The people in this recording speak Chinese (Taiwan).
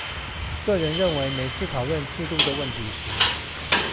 個人認為每次討論制度的問題時